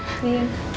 aku pasti mau ke rumah